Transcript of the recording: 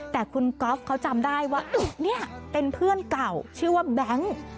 แต่คุณก๊อฟเขาจำได้ว่านี่เป็นเพื่อนเก่าชื่อว่าแบงค์